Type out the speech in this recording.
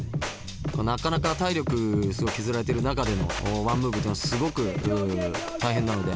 なかなか体力削られてる中でのワンムーブっていうのはすごく大変なので。